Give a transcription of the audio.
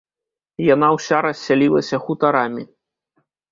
Яна ўся рассялілася хутарамі.